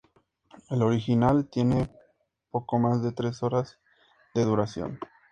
El original tiene poco más de tres horas de duración.